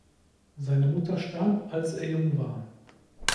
Seine Mutter starb, als er jung war.